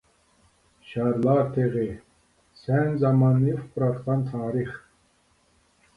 شارلار تېغى، سەن زاماننى ئۇپراتقان تارىخ.